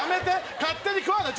勝手に食わないで！